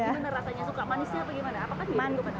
gimana rasanya suka manisnya atau bagaimana